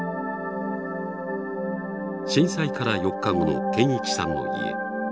震災から４日後の堅一さんの家。